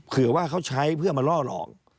เผื่อว่าเขาใช้เพื่อมาล่อหลอก